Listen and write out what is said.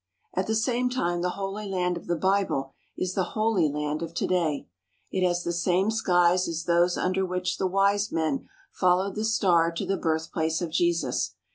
At the same time the Holy Land of the Bible is the Holy Land of to day. It has the same skies as those un der which the Wise Men followed the Star to the birth place of Jesus.